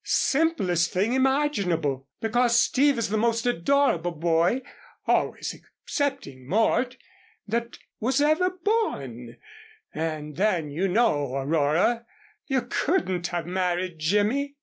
"Simplest thing imaginable! Because Steve is the most adorable boy, always excepting Mort, that was ever born and then you know, Aurora you couldn't have married Jimmy!"